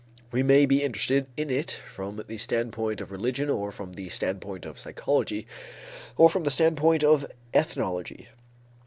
We may be interested in it from the standpoint of religion or from the standpoint of psychology or from the standpoint of ethnology.